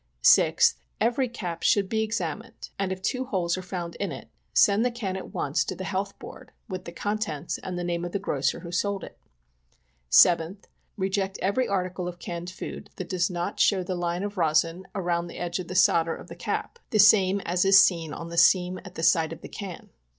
6th. Every cap should be examined, and if two holes are iound in it, send the can at once to the Health Board, with the contents and name of the grocer who sold it. 7th. Keject every article of canned food that does not show the line of rosin around the edge of the solder of the cap, the same as is seen on the seam at the side of the can.